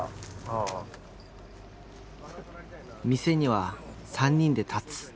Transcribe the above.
店には３人で立つ。